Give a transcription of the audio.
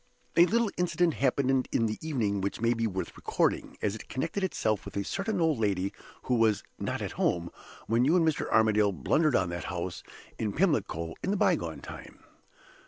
A little incident happened in the evening which may be worth recording, as it connected itself with a certain old lady who was not 'at home' when you and Mr. Armadale blundered on that house in Pimlico in the bygone time.